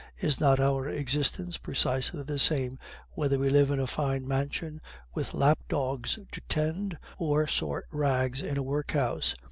Is not our existence precisely the same whether we live in a fine mansion with lap dogs to tend, or sort rags in a workhouse?